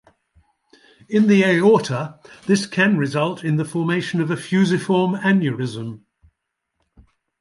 In the aorta, this can result in the formation of a fusiform aneurysm.